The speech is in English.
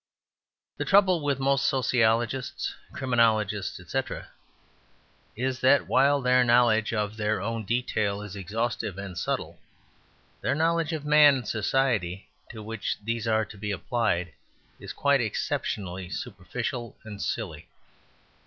The trouble with most sociologists, criminologists, etc., is that while their knowledge of their own details is exhaustive and subtle, their knowledge of man and society, to which these are to be applied, is quite exceptionally superficial and silly.